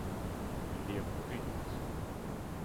Lliɣ bɣiɣ-tt.